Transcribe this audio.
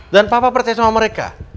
dan papa percaya sama mereka